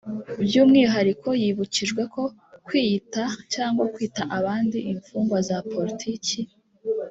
“By’umwihariko yibukijwe ko kwiyita cyangwa kwita abandi imfungwa za politiki